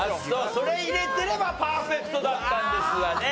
それ入れてればパーフェクトだったんですがね。